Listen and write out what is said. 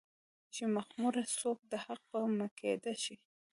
چې مخموره څوک د حق په ميکده شي